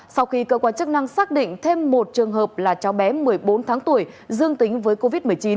sau khi cơ quan chức năng xác định thêm một trường hợp là cháu bé một mươi bốn tháng tuổi dương tính với covid một mươi chín